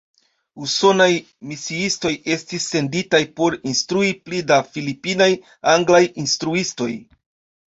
Usonaj misiistoj estis senditaj por instrui pli da filipinaj anglaj instruistoj.